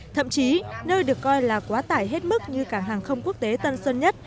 thậm chí nơi được coi là quá tải hết mức như cả hàng không quốc tế tân xuân nhất